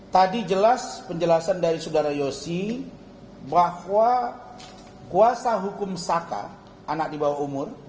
tadi jelas penjelasan dari saudara yosi bahwa kuasa hukum saka anak di bawah umur